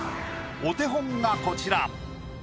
お手本がこちら。